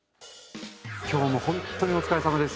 今日もほんっとにお疲れさまです。